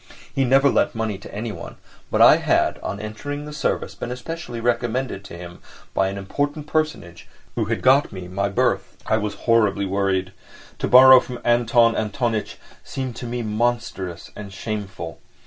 He never lent money to anyone, but I had, on entering the service, been specially recommended to him by an important personage who had got me my berth. I was horribly worried. To borrow from Anton Antonitch seemed to me monstrous and shameful.